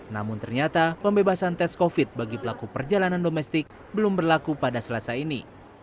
namun ternyata pembebasan tes covid sembilan belas bagi pelaku perjalanan domestik belum berlaku pada selasa ini